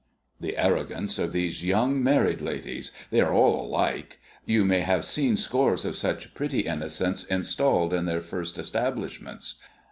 The arrogance of these young married ladies! They are all alike. You may have seen scores of such pretty innocents installed in their first establishments.